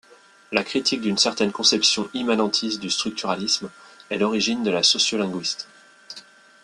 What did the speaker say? La critique d’une certaine conception immanentiste du structuralisme est l'origine de la sociolinguiste.